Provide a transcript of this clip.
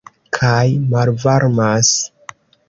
Kaj malvarmas.